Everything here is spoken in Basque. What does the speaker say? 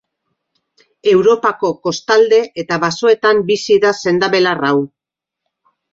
Europako kostalde eta basoetan bizi da sendabelar hau.